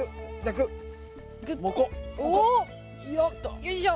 よいしょ。